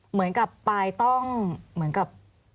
เหมือนกับปายต้องเหมือนกับ